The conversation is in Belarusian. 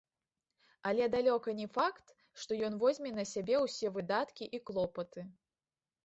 Але далёка не факт, што ён возьме на сябе ўсе выдаткі і клопаты.